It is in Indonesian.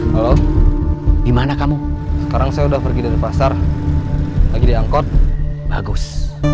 halo gimana kamu sekarang saya sudah pergi dari pasar lagi diangkut bagus